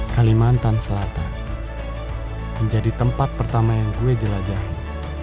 kalimantan selatan menjadi tempat pertama yang gue jelajahi